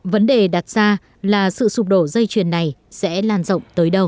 vấn đề đặt ra là sự sụp đổ dây chuyền này sẽ lan rộng tới đâu